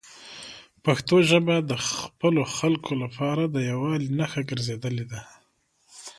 پښتو ژبه د خپلو خلکو لپاره د یووالي نښه ګرځېدلې ده.